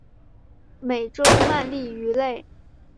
美洲鳗鲡鱼类。